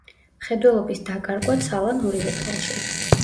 მხედველობის დაკარგვა ცალ ან ორივე თვალში.